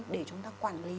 để chúng ta quản lý